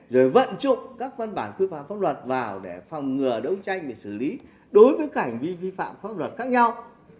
rồi vận trụng các văn bản quy phạm pháp luật vào để phòng ngừa đấu tranh để xử lý đối với cảnh vi vi phạm pháp luật khác nhau